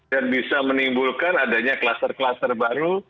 dan bisa menimbulkan adanya kluster kluster baru